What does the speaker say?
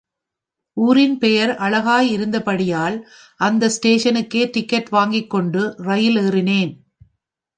ஊரின் பெயர் அழகாய் இருந்தபடியால் அந்த ஸ்டேஷனுக்கே டிக்கெட் வாங்கிக் கொண்டு ரயில் ஏறினேன்.